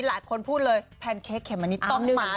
หลายคนพูดเลยแพนเค้กเขมมะนิดต้องมา